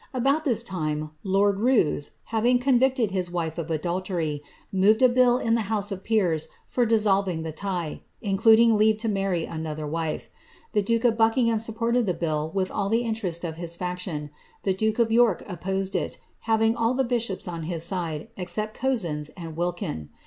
About this time lord Roos, having convicted his wife of adultery, moved a bill in the house of peers for dissolving the tie, including leave to marry another wife. The duke of Buckingham supported the bill with all the interest of his faction ; the duke of York opposed it, having all the bishops on his side, except Cosins and Wilkin.